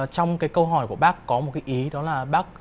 trong câu hỏi của bác có một ý đó là